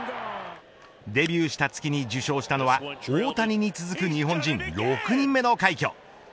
デビューした月に受賞したのは大谷に続く日本人６人目の快挙。